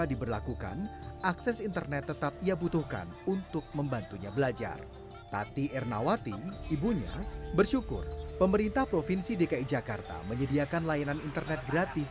dinas komunikasi informatika dan statistik provinsi dki jakarta mencatat